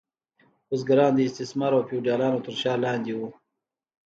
بزګران د استثمار او فیوډالانو تر فشار لاندې وو.